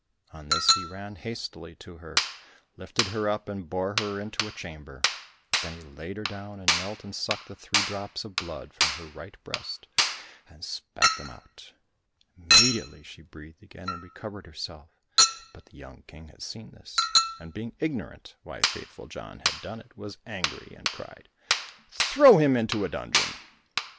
On this he ran hastily to her, lifted her up and bore her into a chamber—then he laid her down, and knelt and sucked the three drops of blood from her right breast, and spat them out. Immediately she breathed again and recovered herself, but the young King had seen this, and being ignorant why Faithful John had done it, was angry and cried, "Throw him into a dungeon."